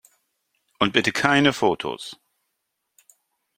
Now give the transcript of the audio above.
Und bitte keine Fotos!